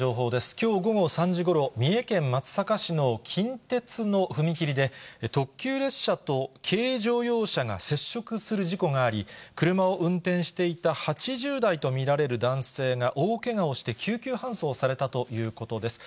きょう午後３時ごろ、三重県松阪市の近鉄の踏切で、特急列車と軽乗用車が接触する事故があり、車を運転していた８０代と見られる男性が大けがをして救急搬送されたということです。